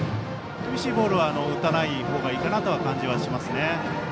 厳しいボールは打たないほうがいいかなと感じますね。